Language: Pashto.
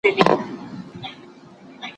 زده کوونکي په انټرنیټ کي نوي معلومات شریکوي.